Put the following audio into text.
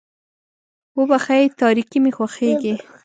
وبښئ تاريکي مې خوښېږي.